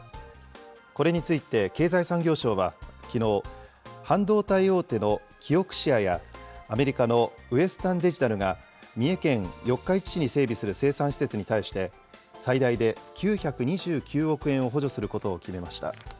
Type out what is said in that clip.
これについて、経済産業省はきのう、半導体大手のキオクシアや、アメリカのウエスタンデジタルが三重県四日市市に整備する生産施設に対して、最大で９２９億円を補助することを決めました。